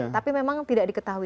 tapi memang tidak diketahui